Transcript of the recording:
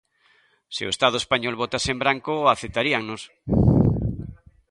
Se o Estado español votase en branco, aceptaríannos.